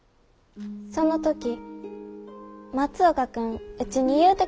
その時松岡君ウチに言うてくれてん。